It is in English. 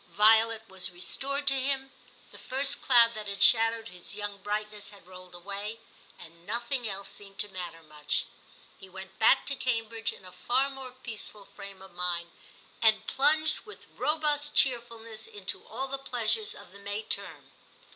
Violet was restored to him ; the first cloud XII TIM 283 that had shadowed his young brightness had rolled away ; and nothing else seemed to matter much. He went back to Cambridge in a far more peaceful frame of mind, and plunged with robust cheerfulness into all the pleasures of the May term.